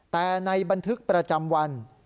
แต่ในบันทึกประจำวัน